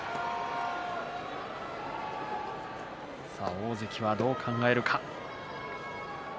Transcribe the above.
大関はどう考えるか。